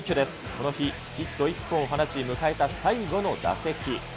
この日、ヒット１本を放ち、迎えた最後の打席。